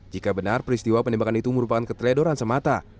jika benar peristiwa penembakan itu merupakan keteledoran semata